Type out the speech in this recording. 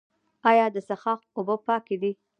آیا د څښاک اوبه پاکې دي؟